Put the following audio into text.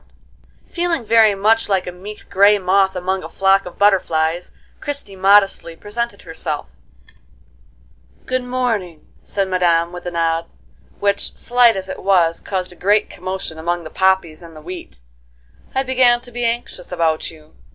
[Illustration: MRS. SALTONSTALL AND FAMILY.] Feeling very much like a meek gray moth among a flock of butterflies, Christie modestly presented herself. "Good morning," said Madame with a nod, which, slight as it was, caused a great commotion among the poppies and the wheat; "I began to be anxious about you.